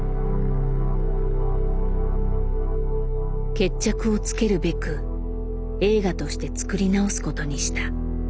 決着をつけるべく映画として作り直すことにした。